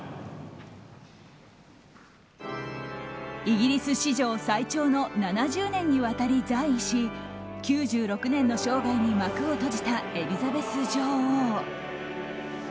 イギリス史上最長の７０年にわたり在位し９６年の生涯に幕を閉じたエリザベス女王。